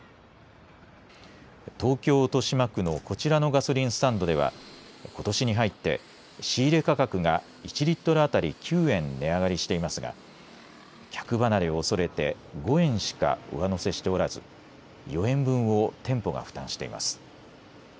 東京、豊島区のこちらのガソリンスタンドではことしに入って仕入れ価格が１リットル当たり９円値上がりしていますが客離れをおそれて５円しか上乗せしておらず４円分を店舗が負担しています。